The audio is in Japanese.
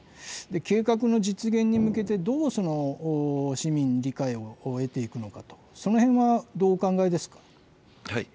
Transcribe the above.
計画の実現に向けて、どう市民の理解を得ていくのかと、そのへんは、どうお考えですか？